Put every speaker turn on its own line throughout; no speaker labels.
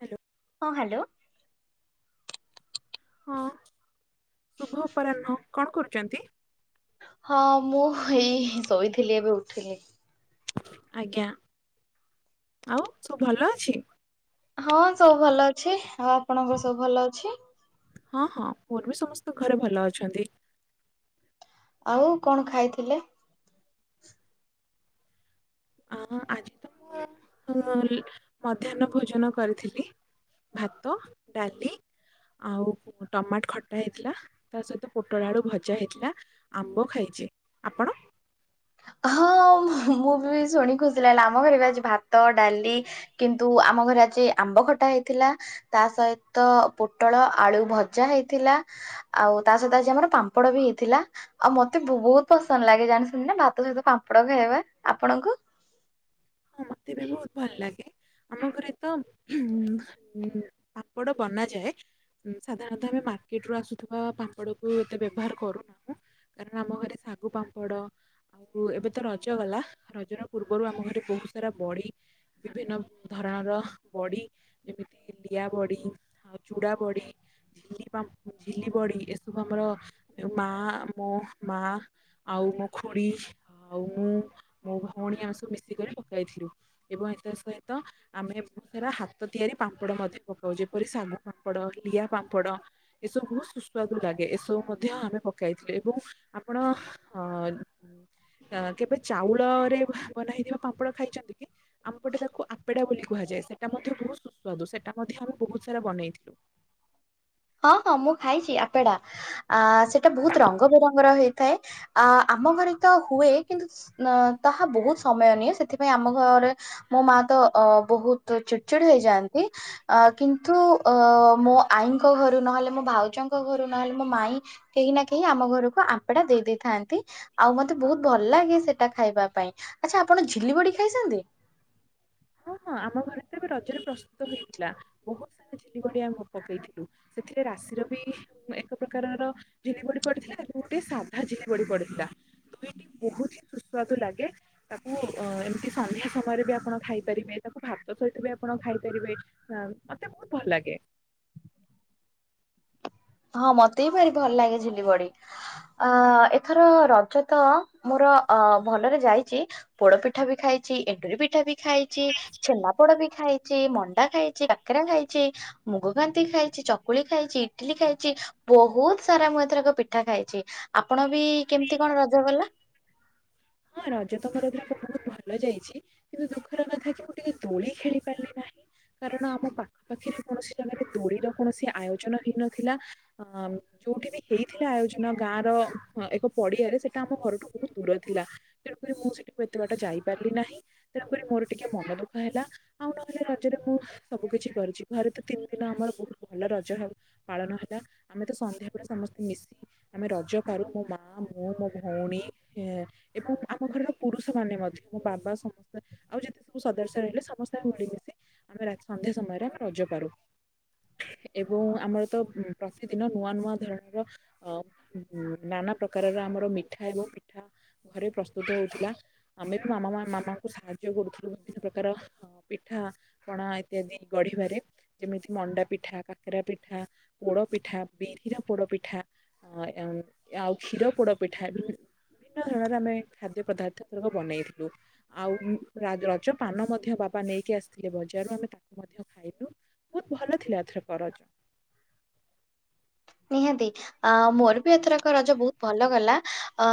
Hello.
ହଁ hello.
ହଁ ଶୁଭ ଅପରାହ୍ନ କଣ କରୁଚନ୍ତି?
ହଁ ମୁଁ ଏଇ ଶୋଇଥିଲି ଏବେ ଉଠିଲି।
ଆଜ୍ଞା ଆଉ ସବୁ ଭଲ ଅଛି?
ହଁ ସବୁ ଭଲ ଅଛି ଆଉ ଆପଣଙ୍କର ସବୁ ଭଲ ଅଛି?
ହଁ ହଁ ମୋର ବି ସମସ୍ତେ ଘରେ ଭଲ ଅଛନ୍ତି।
ଆଉ କଣ ଖାଇଥିଲେ?
ଅ ଆଜି ତ ମୁଁ ମଧ୍ୟାହ୍ନ ଭୋଜନ କରିଥିଲି। ଭାତ ଡାଲି ଆଉ ଟମାଟ ଖଟା ହେଇଥିଲା ତା ସହିତ ପୋଟଳ ଆଳୁ ଭଜା ହେଇଥିଲା। ଆମ୍ବ ଖାଇଛି ଆପଣ?
ହଁ ମୁଁ ବି ଶୁଣିିକି ଖୁସି ଲାଗିଲା ଆମ ଘରେ ବି ଆଜି ଭାତ ଡାଲି। କିନ୍ତୁ ଆମ ଘରେ ଆଜି ଆମ୍ବ ଖଟା ହେଇଥିଲା। ତା ସହିତ ପୋଟଳ ଆଳୁ ଭଜା ହେଇଥିଲା। ଆଉ ତା ସହିତ ଆଜି ଆମର ପାମ୍ପଡ ବି ହେଇଥିଲା ଆଉ ମତେ ବହୁତ ପସନ୍ଦ ଲାଗେ ଜାଣି ଛନ୍ତି ନା ଭା ତ ସହିତ ପାମ୍ପଡ଼ ଖାଇବା ଆପଣଙ୍କୁ?
ହଁ ମତେ ବି ବହୁତ ଭଲ ଲାଗେ। ଆମ ଘରେ ତ ଉ ପାମ୍ପଡ଼ ବନାଯାଏ। ସାଧାରଣତଃ ଆମେ ମାର୍କେଟ ରୁ ଆସୁଥିବା ପାମ୍ପଡ଼ କୁ ଏତେ ବ୍ୟବହାର କରୁନାହୁଁ। କାରଣ ଆମ ଘରେ ଶାଗୁ ପାମ୍ପଡ ଆଉ ଏବେ ତ ରଜ ଗଲା ରଜ ର ପୂର୍ବରୁ ଆମ ଘରେ ବହୁତ ସାରା ବଢି ବିଭିନ୍ନ ଧରଣର ବଢ଼ି ଯେମିତି ଲିଆ ବଢ଼ି। ଆଉ ଚୁଡ଼ା ବଢି। ଝିଲି ପମ୍ପ ଝିଲି ବଢ଼ି ଏସବୁ ଆମର ମା ମୋ ମା ଆଉ ମୋ ଖୁଡ଼ୀ ଆଉ ମୁଁ ମୋ ଭଉଣୀ ଆମେ ସବୁ ମିଶିକରି ପକାଇଥିଲୁ। ଏବଂ ଏତେ ସହିତ ଆମେ ସେରା ହାତ ତିଆରି ପାମ୍ପଡ଼ ମଧ୍ୟ ପକାଉ ଯେପରି ଶାଗୁ ପାମ୍ପଡ଼ ଲିଆ ପାମ୍ପଡ଼। ଏସବୁ ବହୁତ ସୁସ୍ୱାଦୁ ଲାଗେ ଏସବୁ ମଧ୍ୟ ଆମେ ପକାଇଥିଲୁ ଏବଂ ଆପଣ ହଁ କେବେ ଚାଉଳରେ ବନାହେଇଥିବା ପାମ୍ପଡ଼ ଖାଇଛନ୍ତି କି? ଆମପଟେ ତାକୁ ଆପେଡ଼ା ବୋଲି କୁହାଯାଏ ସେଟା ମଧ୍ୟ ବହୁତ ସୁସ୍ୱାଦୁ ସେଟା ମଧ୍ୟ ଆମେ ବହୁତ ସାରା ବନେଇଥିଲୁ।
ହଁ ହଁ ମୁଁ ଖାଇଛି ଆପେଡା ଆ ସେଟା ବହୁତ ରଙ୍ଗ ବେରଙ୍ଗର ହେଇଥାଏ। ଆ ଆମ ଘରେ ତ ହୁଏ କିନ୍ତୁ ଅ ତାହା ବହୁତ ସମୟ ନିଏ ସେଥିପାଇଁ ଆମ ଘରେ ମୋ ମା ତ ଅ ବହୁତ ଚିଡ଼ଚିଡ ହେଇଯାଆନ୍ତି। ଅ କିନ୍ତୁ ଅ ମୋ ଆଈଙ୍କ ଘରୁ ନହେଲେ ମୋ ଭାଉଜଙ୍କ ଘରୁ ନହେଲେ ମୋ ମାଇଁ କେହି ନା କେହି ଆମ ଘରକୁ ଆମ୍ପେଡା ଦେଇ ଦେଇଥାନ୍ତି। ଆଉ ମତେ ବହୁତ ଭଲ ଲାଗେ ସେଟା ଖାଇବା ପାଇଁ ଆଚ୍ଛା ଆପଣ ଝିଲି ବଡ଼ି ଖାଇଛନ୍ତି।
ହଁ ହଁ ଆମ ଘରେ ତ ଏବେ ରଜରେ ପ୍ରସ୍ତୁତ ହେଇଥିଲା। ବହୁତ ସାରା ଚିଲି ବଡ଼ି ଆମେ ପକେଇଥିଲୁ ସେଥିରେ ରାଶିର ବି ଏକ ପ୍ରକାରର ଝିଲି ବଡି ପଡିଥିଲା ଗୋଟେ ସାଧା ଝିଲି ବଡି ପଡ଼ିଥିଲା। ଦୁଇଟି ବହୁତ ହି ସୁସ୍ୱଦୁ ଲାଗେ ତାକୁ ଅ ଏମିତି ସନ୍ଧ୍ୟା ସମୟରେ ବି ଆପଣ ଖାଇ ପରିବେ ତାକୁ ଭାତ ସହିତ ବି ଆପଣ ଖାଇପାରିବେ ମତେ ବହୁତ ଭଲ ଲାଗେ।
ହଁ ମତେ ବି ଭାରି ଭଲ ଲାଗେ ଝିଲି ବଡ଼ି। ଅ ଏଥର ରଜ ତ ମୋର ଅ ଭଲରେ ଯାଇଛି। ପୋଡ଼ ପିଠା ବି ଖାଇଛି ଏଣ୍ଡୁରି ପିଠା ବି ଖାଇଛି ଛେନା ପୋଡ଼ ବି ଖାଇ ଛି ମଣ୍ଡା ଖାଇଛି କାକାରା ଖାଇଛି ମୁଗକାନ୍ତି ଖାଇଛି ଚକୁଳି ଖାଇଛି ଇଟିଲି ଖାଇ ଛି ବହୁତ ସାରା ମୁଁ ଏଥରକ ପିଠା ଖାଇଛି ଆପଣ ବି କେମିତି କଣ ରଜ ଗଲା?
ହଁ ରଜ [unintelligible] ବହୁତ ଭଲ ଯାଇଛି। କିନ୍ତୁ ଦୁଃଖର କଥା କି ମୁଁ ଟିକେ ଦୋଳି ଖେଳି ପାରିଲି ନାହିଁ। କାରଣ ଆମ ପାଖା ପାଖିରେ କୌଣସି ଜାଗାରେ ଦୋଳିର କୌଣସି ଆୟୋଜନ ହେଇନଥିଲା। ଅ ଯୋଉଠି ବି ହେଇଥିଲା ଆୟୋଜନ ଗାଁ ର ହଁ ଏକ ପଡିଆରେ ସେଟା ଆମ ଘରଠୁ ବହୁତ ଦୂର ଥିଲା ତେଣୁକରି ମୁଁ ସେଠିକୁ ଏତେ ବାଟ ଯାଇପାରିଲି ନାହିଁ। ତେଣୁକରି ମୋର ଟିକେ ମନ ଦୁଃଖ ହେଲା। ଆଉ ନହେଲେ ରଜରେ ମୁଁ ସବୁ କିଛି କରିଛି ଘରେ ତ ତିନି ଦିନ ଆମର ବହୁତ ଭଲ ରଜ ହବ ପାଳନ ହେଲା ଆମେ ତ ସନ୍ଧ୍ୟା ପୁରା ସମସ୍ତେ ମିଶି ଆମେ ରଜ ପାଳୁ। ମୋ ମା, ମୁଁ, ମୋ ଭଉଣୀ ଏବଂ ଆମ ଘରର ପୁରୁଷ ମାନେ ମଧ୍ୟ ମୋ ବାବା ସମସ୍ତେ ଆଉ ଯେତେ ସବୁ ସଦସ୍ୟ ରହିଲେ ସମସ୍ତେ ମିଳିମିଶି ଆମେ ସନ୍ଧ୍ୟା ସମୟରେ ଆମେ ରଜ ପାରୁ। ଏବଂ ଆମର ତ ପ୍ରତିଦିନ ନୂଆ ନୂଆ ଧରଣର ଅ ଉଁ ନାନା ପ୍ରକାରର ଆମର ମିଠା ଏବଂ ପିଠା ଘରେ ପ୍ରସ୍ତୁତ ହଉଥିଲା ଆମେ ବି ମାମା ମାମାଙ୍କୁ ସାହାଯ୍ୟ କରୁଥିଲୁ ବିଭିନ୍ନ ପ୍ରକାର ପିଠା ପଣା ଇତ୍ୟାଦି ଗଢିବାରେ। ଯେମିତି ମଣ୍ଡା ପିଠା, କାକରା ପିଠା, ପୋଡ ପିଠା ବିରିର ପୋଡ ପିଠା। ଅଁ ଆଉ କ୍ଷୀର ପୋଡ ପିଠା ବିଭିନ୍ନ ଧରଣର ଆମେ ଖାଦ୍ୟ ପଦାର୍ଥକ ବନେଇଥିଲୁ। ଆଉ ରଜ ପାନ ମଧ୍ୟ ବାବା ନେଇକି ଆସିଥିଲେ ବଜାରରୁ ଆମେ ତାକୁ ମଧ୍ୟ ଖାଇଲୁ। ବହୁତ ଭଲ ଥିଲା ଏଥରକ ରଜ।
ନିହାତି। ଅ ମୋର ବି ଏଥରକ ରଜ ବହୁତ ଭଲ ଗଲା ଅ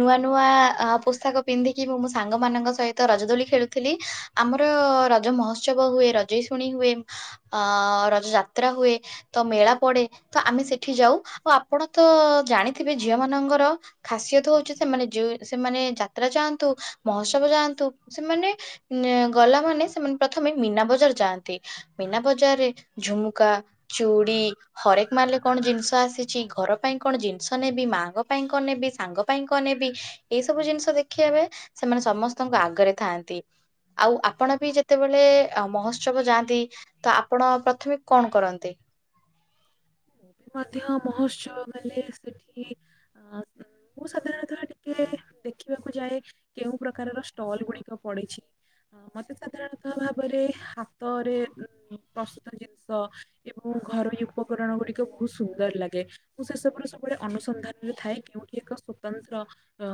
ନୂଆ ନୂଆ ଅ ପୋଷାକ ପିନ୍ଧିକି ମୁ ମୋ ସାଙ୍ଗ ମାନଙ୍କ ସହିତ ରଜଦୋଳି ଖେଳୁଥିଲି, ଆମର ରଜ ମହୋତ୍ସବ ହୁଏ ରଜ ରଜ ଶୁଣି ହୁଏ ଅ ରଜ ଯାତ୍ରା ହୁଏ ତ ମେଳା ପଡେ। ତ ଆମେ ସେଠି ଯାଉ ଆଉ ଆପଣ ତ ଜାଣିଥିବେ ଝିଅ ମାନଙ୍କର ଖାସିୟତ ହଉଛି ସେମାନେ ଯଉ ସେମାନେ ଯାତ୍ରା ଯାଆନ୍ତୁ ମହୋତ୍ସବ ଯାଆନ୍ତୁ ସେମାନେ ଗଲା ମାନେ ସେମାନେ ପ୍ରଥମେ ମୀନା ବଜାର ଯାଆନ୍ତି। ମୀନା ବଜାରରେ ଝୁମୁକା, ଚୁଡ଼ି, ହରେକ ମାଲରେ କଣ ଜିନିଷ ଆସିଛି ଘର ପାଇଁ କଣ ଜିନିଷ ନେବି, ମାଆଙ୍କ ପାଇଁ କଣ ନେବି, ସାଙ୍ଗ ପାଇଁ କଣ ନେବି ଏଇ ସବୁ ଜିନିଷ ଦେଖିବାବେଳେ ସେମାନେ ସମସ୍ତଙ୍କ ଆଗରେ ଥାଆନ୍ତି। ଆଉ ଆପଣ ବି ଯେତେବେଳେ ମହୋତ୍ସବ ଯାଆନ୍ତି ତ ଆପଣ ପ୍ରଥମେ କଣ କରନ୍ତି?
ମୁଁ ବି ମଧ୍ୟ ମହୋତ୍ସବ ଗଲେ ସେଠି ଅଁ ମୁଁ ସାଧାରଣତଃ ଟିକେ ଦେଖିବାକୁ ଯାଏ କେଉଁ ପ୍ରକାରର ଷ୍ଟଲ ଗୁଡିକ ପଡିଛି। ଅ ମତେ ସାଧାରଣତଃ ଭାବରେ ହାତରେ ପ୍ରସ୍ତୁତ ଜିନିଷ ଏବଂ ଘରୋଇ ଉପକରଣ ଗୁଡିକ ବହୁତ ସୁନ୍ଦର ଲାଗେ। ମୁଁ ସେସବୁରୁ ସବୁବେଳେ ଅନୁସନ୍ଧାନରେ ଥାଏ କେଉଁଠି ଏକ ସ୍ଵତନ୍ତ୍ର ଅ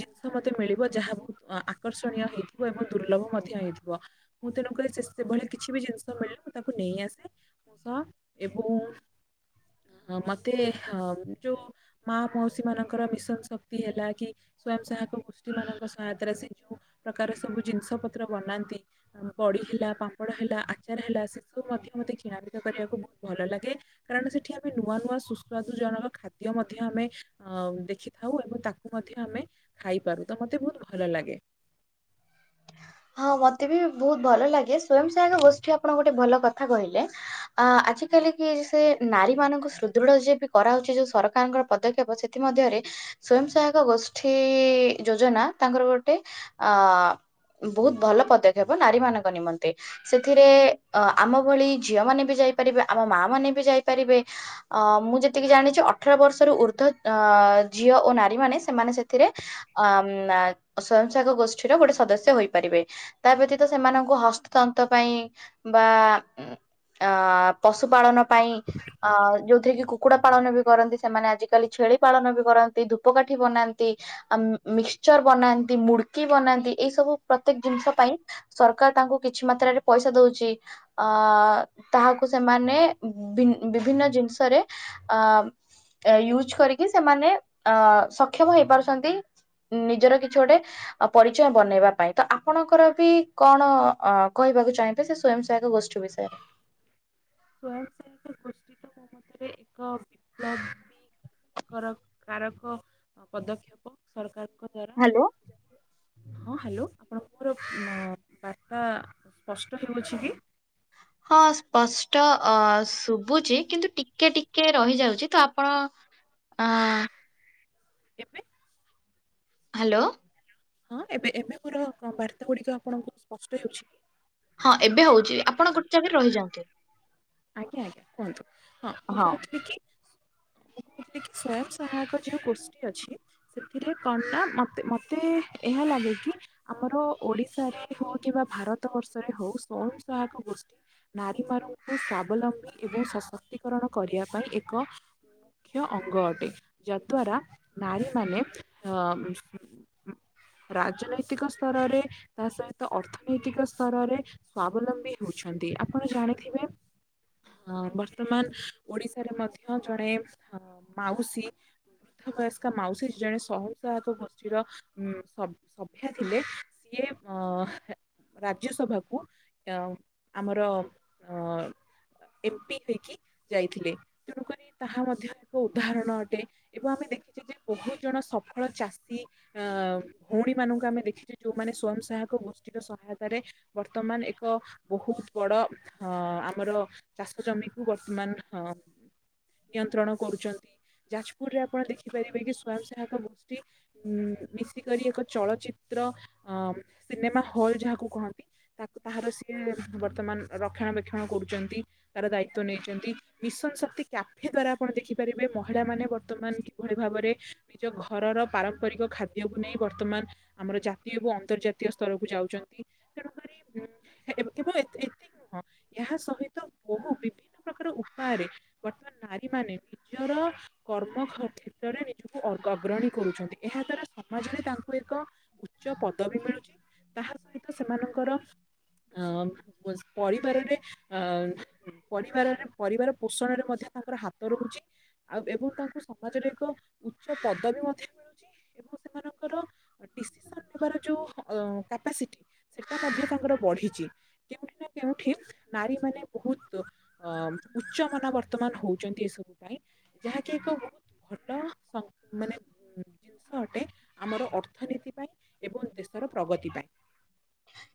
ଜିନିଷ ମତେ ମିଳିବ ଯାହା ବହୁତ ଆକର୍ଷଣୀୟ ହେଇଥିବ ଏବଂ ଦୁର୍ଲଭ ମଧ୍ୟ ହେଇଥିବ। ମୁଁ ତେଣୁ କରି ସେଭଳି କିଛି ବି ଜିନିଷ ମିଳିଲେ ମୁଁ ତାକୁ ନେଇ ଆସେ ମୋ ସହ। ଏବଂ ମତେ ହ ଯୋଉ ମା ମଉସୀ ମାନଙ୍କର ମିଶନ ଶକ୍ତି ହେଲା କି ସ୍ଵୟଂ ସହାୟକ ଗୋଷ୍ଠୀ ମାନଙ୍କ ସହାୟତାରେ ସେ ଯୋଉ ପ୍ରକାର ସବୁ ଜିନିଷ ପତ୍ର ବନାନ୍ତି। ବଡି ହେଲା, ପାମ୍ପଡ଼ ହେଲା, ଆଚାର ହେଲା ସେ ସବୁ ମଧ୍ୟ ମତେ କିଣାବିକା କରିବାକୁ ବହୁ ଭଲ ଲାଗେ କାରଣ ସେଠି ଆମେ ନୂଆ ନୂଆ ସୁସ୍ୱାଦୁ ଜନକ ଖାଦ୍ୟ ମଧ୍ୟ ଆମେ ଅ ଦେଖିଥାଉ ଏବଂ ତାକୁ ମଧ୍ୟ ଆମେ ଖାଇପାରୁ ତ ମତେ ବହୁତ ଭଲ ଲାଗେ।
ହଁ ମତେ ବି ବହୁତ ଭଲ ଲାଗେ ସ୍ଵୟଂ ସହାୟକ ଗୋଷ୍ଠୀ ଆପଣ ଗୋଟେ ଭଲ କଥା କହିଲେ। ଅ ଆଜିକାଲି କି ସେ ନାରୀ ମାନଙ୍କୁ ସୁଦୃଢ ଯିଏ ବି କରାଉଛି ଯୋଉ ସରକାରଙ୍କର ପଦକ୍ଷେପ ସେ ଥିମଧ୍ଯରେ ସ୍ଵୟଂ ସହାୟକ ଗୋଷ୍ଠୀ ଯୋଜନା ତାଙ୍କର ଗୋଟେ ଅ ବହୁତ ଭଲ ପଦକ୍ଷେପ ନାରୀ ମାନଙ୍କ ନିମନ୍ତେ। ସେଥିରେ ଅ ଆମ ଭଳି ଝିଅ ମାନେ ବି ଯାଇପାରିବେ, ଆମ ମା ମାନେ ବି ଯାଇପାରିବେ। ଅ ମୁଁ ଯେତିକି ଜାଣିଛି ଅଠର ବର୍ଷରୁ ଉର୍ଦ୍ଧ୍ୱ ଅ ଝିଅ ଓ ନାରୀ ମାନେ ସେମାନେ ସେଥିରେ ଅ ସ୍ଵୟଂ ସହାକ ଗୋଷ୍ଠୀର ଗୋଟେ ସଦସ୍ୟ ହୋଇ ତା ବ୍ୟତୀତ ସେମାନଙ୍କୁ ହସ୍ତତନ୍ତ ପାଇଁ ବା ଅ ପଶୁ ପାାଳନ ପାଇଁ, ଅ ଯୋଉଥିରେ କି କୁକୁଡା ପାଳନ ବି କରନ୍ତି। ସେମାନେ ଆଜିକାଲି ଛେଳି ପାଳନ ବି କରନ୍ତି। ଧୂପକାଠି ବନାନ୍ତି ଆ ମିକ୍ସଚର ବନାନ୍ତି, ମୁଡକି ବନାନ୍ତି, ଏଇ ସବୁ ପ୍ରତ୍ୟେକ ଜିନିଷ ପାଇଁ ସରକାର ସରକାର ତାଙ୍କୁ କିଛି ମାତ୍ରାରେ ପଇସା ଦଉଛି ଅ ତାହାକୁ ସେମାନେ ବିଭିନ୍ନ ଜିନିଷରେ ଅ ୟୁଜ କରିକି ସେମାନେ, ଅ ସକ୍ଷମ ହେଇପାରୁଛନ୍ତି ନିଜର କିଛି ଗୋଟେ ପରିଚୟ ବନେଇବା ପାଇଁ। ତ ଆପଣଙ୍କର ବି କଣ ଅ କହିବାକୁ ଚାହିଁବେ ସେ ସ୍ଵୟଂ ସହାୟକ ଗୋଷ୍ଠୀ ବିଷୟରେ?
ସ୍ଵୟଂ ସେହାକ ଗୋଷ୍ଠୀ ତ ମମତରେ ଏକ ବିପ୍ଲବ କାରକ ପଦକ୍ଷେପ ସରକାରଙ୍କ ଦ୍ଵାରା
ହ୍ୟାଲୋ।
ହଁ ହ୍ୟାଲୋ ଆପଣଙ୍କର ବାର୍ତ୍ତା ସ୍ପଷ୍ଟ ହେଉଛି କି?
ହଁ ସ୍ପଷ୍ଟ ଅ ଶୁଭୁଛି, କିନ୍ତୁ ଟିକେ ଟିକେ ରହିଯାଉଛି ତ ଆପଣ ଆ
କେବେ?
ହାଲୋ।
ହଁ ଏବେ ଏବେ ମୋର ବାର୍ତ୍ତା ଗୁଡିକ ଆପଣଙ୍କୁ ସ୍ପଷ୍ଟ ହେଉଛି?
ହଁ ଏବେ ହଉଛି। ଆପଣ ଗୋଟେ ଜାଗାରେ ରହିଯାନ୍ତୁ।
ଆଜ୍ଞା ଆଜ୍ଞା। କୁହନ୍ତୁ। ହଁ ମୁଁ କହୁ ଥିଲି କି ମୁଁ କହୁଥିଲି କି ସ୍ଵୟଂ ସହାୟକ ଯୋଉ ଗୋଷ୍ଠୀ ଅଛି ସେଥିରେ କଣ ଟା ମତେ ମତେ ଏହା ଲାଗେ କି ଆମର ଓଡିଶାରେ ହଉ କିମ୍ବା ଭାରତ ବର୍ଷରେ ହଉ, ସ୍ଵୟଂ ସହାୟକ ଗୋଷ୍ଠୀ ନାରୀ ମାନଙ୍କୁ ସଵାବଲମ୍ବୀ ଏବଂ ସଶକ୍ତିକରଣ କରିବା ପାଇଁ ଏକ ମୁଖ୍ୟ ଅଙ୍ଗ ଅଟେ। ଯଦ୍ଵାରା ନାରୀମାନେ ହଁ। ରାଜନୈତିକ ସ୍ତରରେ, ତା ସହିତ ଅର୍ଥନୈତିକ ସ୍ତରରେ ସ୍ଵାବଲମ୍ବୀ ହଉଛନ୍ତି। ଆପଣ ଜାଣିଥିବେ ଅ ବର୍ତ୍ତମାନ ଓଡିଶାରେ ମଧ୍ୟ ଜଣେ ଅ ମାଉସୀ ବୟସ୍କା ମାଉସୀ ଜଣେ ସହସହାୟକ ଗୋଷ୍ଷୀର ଉ ସଭ୍ୟା ଥିଲେ ସିଏ ଅ ରାଜ୍ୟସଭାକୁ ଅ ଆମର ଅ ଏପି ହେଇକି ଯାଇଥିଲେ। ତେଣୁକରି ତାହା ମଧ୍ୟ ଏକ ଉଦାହରଣ ଅଟେ। ଏବଂ ଆମେ ଦେଖିଛୁ ଯେ ବହୁତ ଜଣ ସଫଳ ଚାଷୀ ଅ ଭଉଣୀ ମାନଙ୍କୁ ଆମେ ଦେଖିଛେ ଯୋଉମାନେ ସ୍ଵୟଂ ସହାୟକ ଗୋଷ୍ଠୀର ସହାୟତାରେ ବର୍ତ୍ତମାନ ଏକ ବୋହୁତ୍ ବଡ ଅ ଆମର ଚାଷ ଜମିକୁ ବର୍ତ୍ତମାନ ନିୟନ୍ତ୍ରଣ କରୁଛନ୍ତି। ଯାଜପୁରରେ ଆପଣ ଦେଖିପାରିବେ କି ସ୍ଵୟଂ ସେହାୟକ ଗୋଷ୍ଠୀ ଉ ମିଶିକରି ଏକ ଚଳଚିତ୍ର ଅ ସିନେମା ହଲ୍ ଯାହାକୁ କହନ୍ତି ତାକୁ ତାହାର ସିଏ ବର୍ତ୍ତମାନ ରକ୍ଷଣା ବକ୍ଷଣ କରୁଛନ୍ତି। ତାର ଦାୟିତଵ ନେଇଛନ୍ତି। ମିଶନ ଶକ୍ତି କ୍ୟାଫେ ଦ୍ଵାରା ଆପଣ ଦେଖିପାରିବେ, ମହିଳା ମାନେ ବର୍ତ୍ତମାନ କିଭଳି ଭାବରେ ନିଜ ଘରର ପାରମ୍ପରିକ ଖାଦ୍ୟକୁ ନେଇ ବର୍ତ୍ତମାନ ଆମର ଜାତୀୟ ଏବଂ ଅନ୍ତର୍ଜାତୀୟ ସ୍ତରକୁ ଯାଉଛନ୍ତି। ତେଣୁକରି ଉଁ ଏବଂ ଏ ହଁ, ଏହା ସହିତ ବହୁ ବିଭିନ୍ନ ପ୍ରକାର ଉପାୟରେ ବର୍ତ୍ତମାନ ନାରୀ ମାନେ ନିଜର କର୍ମ କ୍ଷେତ୍ରରେ ନିଜକୁ ଅଗ୍ରଣୀ କରୁଛନ୍ତି। ଏହା ଦ୍ଵାରା ସମାଜରେ ତାଙ୍କୁ ଏକ ଉଚ୍ଚ ପଦବୀ ମିଳୁଛି। ତାହା ସହିତ ସେମାନଙ୍କର ଅ ପରିବାରରେ, ଅ ପରିବାରରେ, ପରିବାର ପୋଷଣରେ ମଧ୍ୟ ତାଙ୍କର ହାତ ରହୁଚି ଆଉ ଏବଂ ତାଙ୍କୁ ସମାଜରେ ଏକ ଉଚ୍ଚ ପଦବୀ ମଧ୍ୟ ମିଳୁ ଏବଂ ସେମାନଙ୍କର ଅ ଡିସିସନ୍ ନେବାର ଯୋଉ ଅ କପାସିଟି ସେଟା ମଧ୍ୟ ତାଙ୍କର ବଢ଼ିଚି। କେଉଁଠି ନାଁ କେଉଁଠି ନାରୀମାନେ ବୋହୁତ ଅ ଉଚ୍ଚ ମନ ବର୍ତ୍ତମାନ ହୋଉଚନ୍ତି ଏସବୁ ପାଇଁ। ଯାହାକି ଏକ ବୋହୁତ ଭଲ ସ ମାନେ ଉଁ ଜିନିଷ ଅଟେ ଆମର ଅର୍ଥନୀତି ପାଇଁ ଏବଂ ଦେଶର ପ୍ରଗତି ପାଇଁ।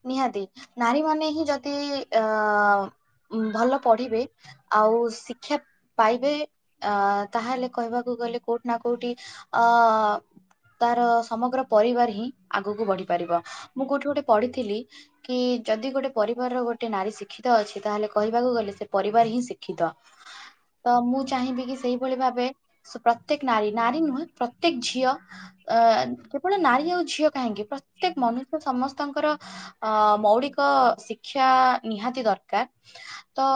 ନିହାତି ନାରୀମାନେ ହିଁ ଯଦି ଅ ଭଲ ପଢ଼ିବେ ଆଉ ଶିକ୍ଷା ପାଇବେ ଅ ତାହେଲେ କହିବାକୁ ଗଲେ କୋଉଠି ନା କୋଉଠି ଅ ତାର ସମଗ୍ର ପରିବାର ହିଁ ଆଗକୁ ବଢ଼ି ପାରିବ ମୁଁ କୋଉଠି ଗୋଟେ ପଢ଼ିଥିଲି କି ଯଦି ଗୋଟେ ପରିବାରର ଗୋଟେ ନାରୀ ଶିକ୍ଷିତ ଅଛି ତାହେଲେ କହିବାକୁ ଗଲେ ସେ ପରିବାର ହିଁ ଶିକ୍ଷିତ। ତ ମୁଁ ଚାହିଁବି କି ସେଇଭଳି ଭାବେ ସୁ ପ୍ରତ୍ୟେକ ନାରୀ ନାରୀ ନୁହେଁ ପ୍ରତ୍ୟେକ ଝିଅ ଅ କେବଳ ନାରୀ ଆଉ ଝିଅ କାହିଁକି ପ୍ରତ୍ୟେକ ମନୁଷ୍ୟ ସମସ୍ତଙ୍କର ଅ ମୌଳିକ ଶିକ୍ଷା ନିହାତି ଦରକାର ତ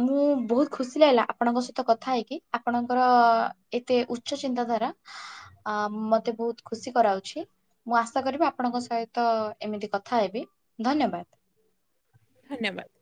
ମୁଁ ବୋହୁତ ଖୁସି ଲାଗିଲା ଆପଣଙ୍କ ସହିତ କଥା ହେଇକି ଆପଣଙ୍କର ଏତେ ଉ ଚ ଚିନ୍ତାଧାରା। ଅ ମତେ ବୋହୁତ ଖୁସି କରାଉଛି ମୁଁ ଆଶା କରିବି ଆପଣଙ୍କ ସହିତ ଏମିତି କ ଥା ହେବି ଧନ୍ୟବାଦ।
ଧନ୍ୟବାଦ।